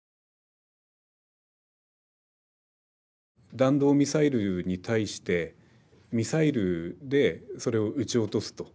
弾道ミサイルに対してミサイルでそれを撃ち落とすと。